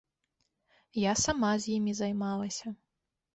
Я сама з імі займалася.